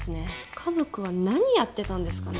家族は何やってたんですかね